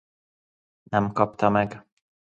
Nem kapta meg.